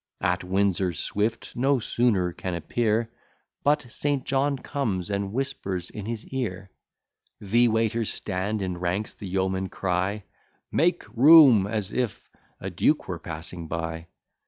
At Windsor Swift no sooner can appear, But St. John comes, and whispers in his ear: The waiters stand in ranks: the yeomen cry, Make room, as if a duke were passing by.